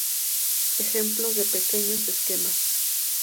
Ejemplos de pequeños esquemas.